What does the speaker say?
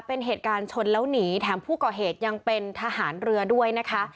เป็นเหตุการณ์ชนแล้วหนีแถมผู้ก่อเหตุยังเป็นทหารเรือด้วยนะคะ